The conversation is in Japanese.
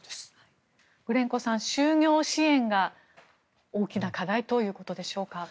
グレンコさん、就業支援が大きな課題ということでしょうか。